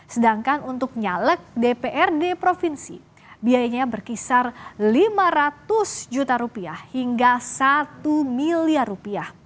sedangkan untuk nyalek dprd provinsi biayanya berkisar rp lima ratus juta rupiah hingga satu miliar rupiah